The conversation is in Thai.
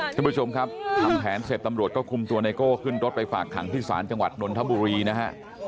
ท่านผู้ชมครับทำแผนเสร็จตำรวจก็คุมตัวไนโก้ขึ้นรถไปฝากขังที่ศาลจังหวัดนนทบุรีนะฮะ